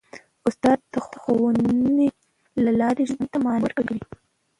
استاد د ښوونې له لارې ژوند ته مانا ورکوي.